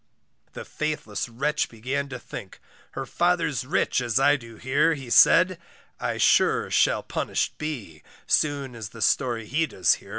The faithless wretch began to think, Her father's rich, as I do hear, He said, I sure shall punished be, Soon as the story he does hear.